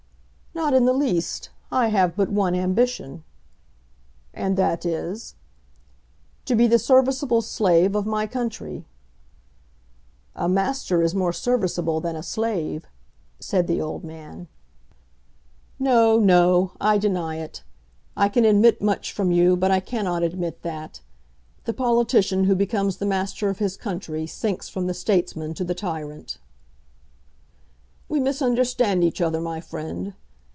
"Not in the least. I have but one ambition." "And that is ?" "To be the serviceable slave of my country." "A master is more serviceable than a slave," said the old man. "No; no; I deny it. I can admit much from you, but I cannot admit that. The politician who becomes the master of his country sinks from the statesman to the tyrant." "We misunderstand each other, my friend.